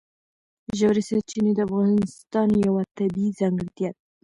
ژورې سرچینې د افغانستان یوه طبیعي ځانګړتیا ده.